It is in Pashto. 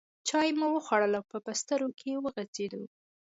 چای مو وخوړې او په بسترو کې وغځېدو.